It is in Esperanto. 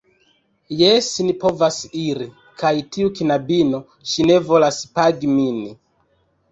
Jes, ni povas iri. Kaj tiu knabino, ŝi ne volas pagi min.